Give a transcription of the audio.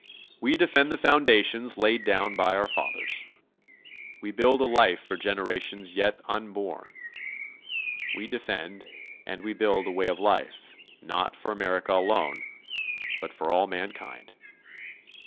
We defend the foundations laid down by our fathers. We build a life for generations yet unborn. We defend and we build a way of life, not for America alone, but for all mankind.